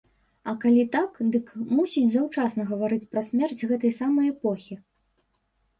А калі так, дык, мусіць, заўчасна гаварыць пра смерць гэтай самай эпохі?